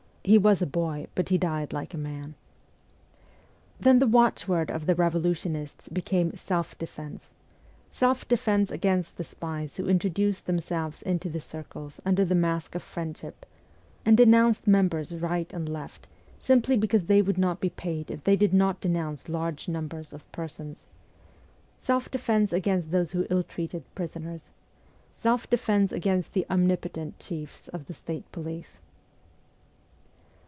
He was a boy, but he died like a man. Then the watchword of the revolutionists became ' self defence :' self defence against the spies who intro duced themselves into the circles under the mask of friendship, and denounced members right and left, simply because they would not be paid if they did not denounce large numbers of persons ; self defence against those who ill treated prisoners ; self defence against the omni potent chiefs of the state police.